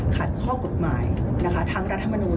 ขัดข้อกฎหมายทั้งรัฐธรรมนูญ